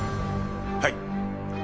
はい。